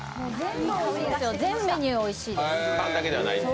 全メニューおいしいです。